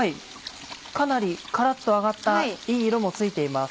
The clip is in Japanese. かなりカラっと揚がったいい色もついています。